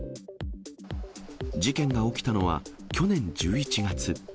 事件が起きたのは、去年１１月。